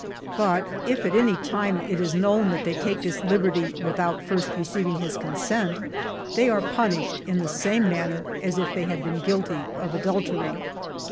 But if at any time it is known that they take this liberty witkout first receiving his consent, they are punished in the same manner as if they had been guilty of adultery.